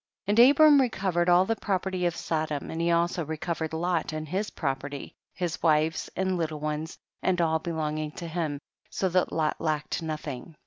8. And Abram recovered all the property of Sodom, and he also re covered Lot and his property, his wives and little ones and all belong ing to him, so that Lot lacked no thing.